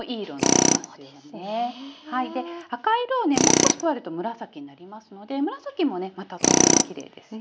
で赤い色をねもう少し加えると紫になりますので紫もねまたとってもきれいですよ。